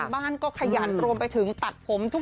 บ้านก็ขยันรวมไปถึงตัดผมทุก